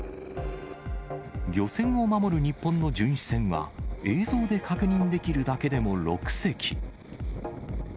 漁船を守る日本の巡視船は、映像で確認できるだけでも６隻。